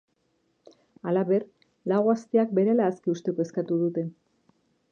Halaber, lau gazteak berehala aske uzteko eskatu dute.